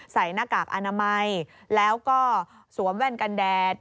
หน้ากากอนามัยแล้วก็สวมแว่นกันแดด